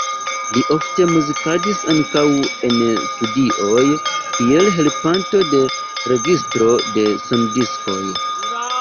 Li ofte muzikadis ankaŭ en studioj, kiel helpanto de registro de sondiskoj.